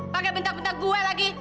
pakai bentak bentak gue lagi